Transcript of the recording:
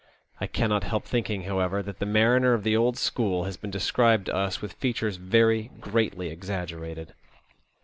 I cannot help thinking, however, that the mariner of the old school has been described to us with features very greatly exaggerated.